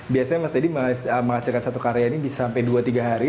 biasanya mas teddy menghasilkan satu karya ini bisa sampai dua tiga hari